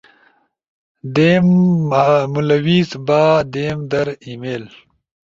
دیم، ملوث با، دیم در، ای میل